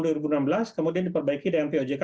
dari ojk pun sudah membuat koridor koridor dan aturan aturan